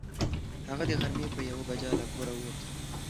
هغه د غرمې په یوه بجه له کوره ووت.